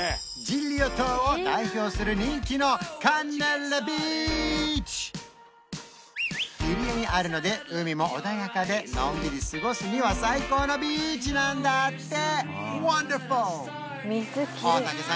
ジリオ島を代表する人気の入り江にあるので海も穏やかでのんびり過ごすには最高のビーチなんだってワンダフル！